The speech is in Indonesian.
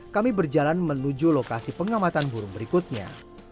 kami berjalan menuju lokasi pengamatan burung berikutnya